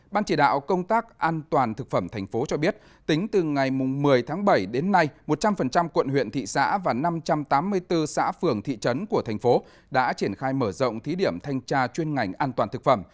ban chỉ đạo công tác an toàn thực phẩm thành phố cho biết tính từ ngày một mươi tháng bảy đến nay một trăm linh quận huyện thị xã và năm trăm tám mươi bốn xã phường thị trấn của thành phố đã triển khai mở rộng thí điểm thanh tra chuyên ngành an toàn thực phẩm